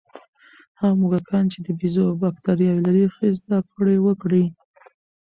هغه موږکان چې د بیزو بکتریاوې لري، ښې زده کړې وکړې.